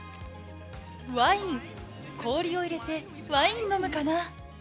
ワイン、氷を入れてワイン飲